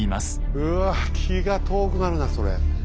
うわ気が遠くなるなそれ。